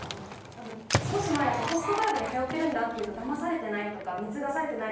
少し前だとホストクラブに通ってるんだと言ったらだまされてない？とか貢がされてない？